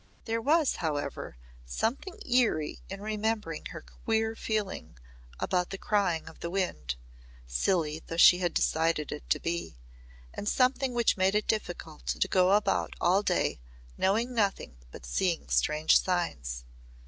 There was however something eerie in remembering her queer feeling about the crying of the wind, silly though she had decided it to be, and something which made it difficult to go about all day knowing nothing but seeing strange signs.